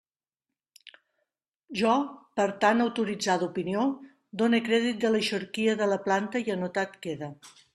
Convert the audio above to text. Jo, per tan autoritzada opinió, done crèdit de l'eixorquia de la planta, i anotat queda.